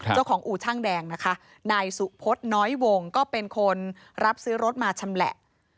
อู่ช่างแดงนะคะนายสุพศน้อยวงก็เป็นคนรับซื้อรถมาชำแหละ